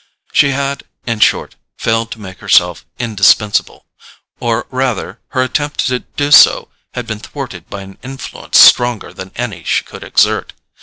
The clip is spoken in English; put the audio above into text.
She had, in short, failed to make herself indispensable; or rather, her attempt to do so had been thwarted by an influence stronger than any she could exert.